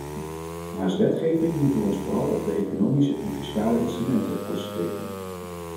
Naast wetgeving moeten we ons vooral op de economische en fiscale instrumenten concentreren.